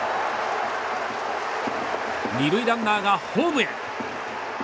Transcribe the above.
２塁ランナーがホームへ。